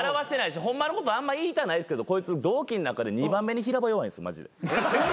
ホンマのことあんま言いたないですけどこいつ同期の中で２番目に平場弱いんですマジで。